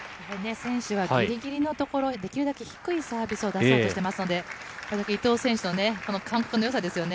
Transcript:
選手はぎりぎりの所へ、できるだけ低いサーブを出そうとしてますので、それだけ伊藤選手の感覚のよさですよね。